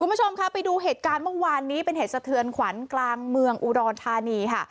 คุณผู้ชมค่ะไปดูเหตุการณ์เมื่อวานนี้เป็นเหตุสะเทือนขวัญกลางเมืองอุดรธานีค่ะ